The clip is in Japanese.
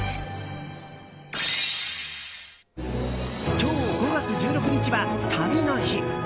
今日、５月１６日は旅の日。